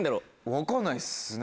分かんないですね。